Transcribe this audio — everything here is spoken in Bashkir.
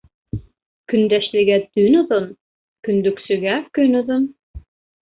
Көндәшлегә төн оҙон, көнлөксөгә көн оҙон.